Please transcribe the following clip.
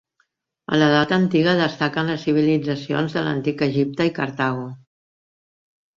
A l'edat antiga destaquen les civilitzacions de l'Antic Egipte i Cartago.